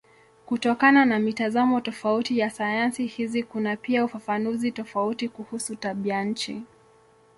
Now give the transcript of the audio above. Kutokana na mitazamo tofauti ya sayansi hizi kuna pia ufafanuzi tofauti kuhusu tabianchi.